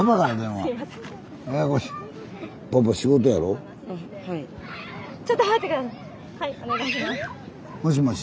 はいお願いします。